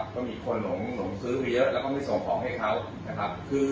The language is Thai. ก็มีคนหลงซื้อเยอะแล้วก็ไม่ส่งของให้เขานะครับ